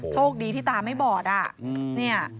โชคดีที่ตาไม่บอดอ่ะ